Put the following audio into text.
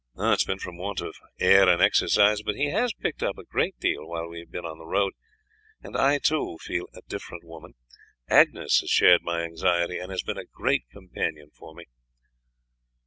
"It has been from want of air and exercise; but he has picked up a great deal while we have been on the road, and I, too, feel a different woman. Agnes has shared my anxiety, and has been a great companion for me."